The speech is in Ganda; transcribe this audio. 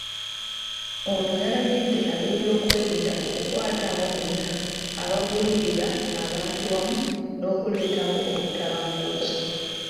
Ono yalagidde ab'ebyokwerinda okukwata abo bonna abagulirira abantu wamu n'okuleetawo obutabanguko.